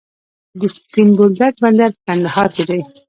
د سپین بولدک بندر په کندهار کې دی